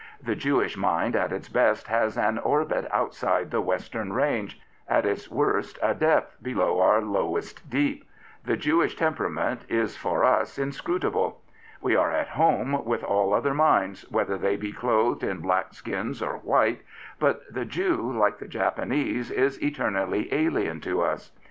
The Jewish mind at its best has an orbit outside the Western range, at its worst a depth below our lowest deep; the Jewish temperament is for us inscnitable. We axe at 158 Rufus Isaacs, K.C. home with all other minds, whether they be clothed in black skins or white, but the Jew, like the Japanese, is eternally alien to us.